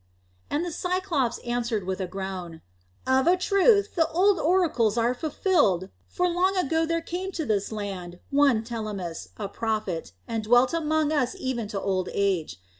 And the Cyclops answered with a groan, "Of a truth, the old oracles are fulfilled, for long ago there came to this land one Telemus, a prophet, and dwelt among us even to old age.